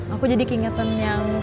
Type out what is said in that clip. aku jadi keingetan yang